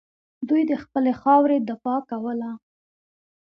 دوی د خپلې خاورې دفاع کوله